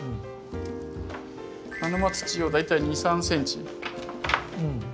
鹿沼土を大体２３ｃｍ。